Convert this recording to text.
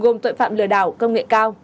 gồm tội phạm lừa đảo công nghệ cao